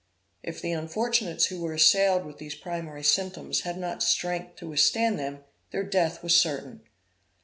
If the unfortunates who were assailed with these primary symptoms had not strength to withstand them, their death was certain.